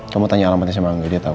kamu tanya alamatnya si mangga dia tahu